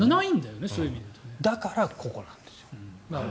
だからここなんです。